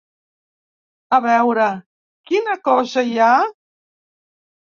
A veure, quina cosa hi ha?